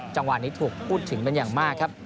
จังหวะนี้ถูกพูดถึงเป็นอย่างมากครับ